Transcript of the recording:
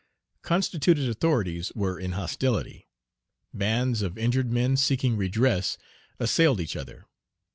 Constituted authorities were in hostility. Bands of injured men seeking redress assailed each other.